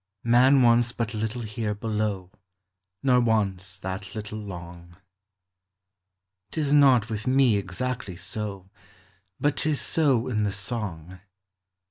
"7\1a\ wants but little here below, Nor wants that little long." T is not with me exactly so : But 't is so in the song.